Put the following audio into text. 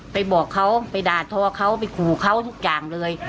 บอกเขาไปด่าทอเขาไปขู่เขาทุกอย่างเลย